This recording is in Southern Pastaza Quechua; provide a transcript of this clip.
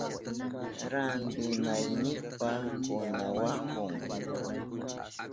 Rantinaynipa kunawahun.